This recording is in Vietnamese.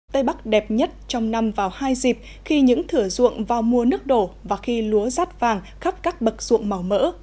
tây bắc đẹp nhất trong năm vào hai dịp khi những thửa ruộng vào mùa nước đổ và khi lúa rát vàng khắp các bậc ruộng màu mỡ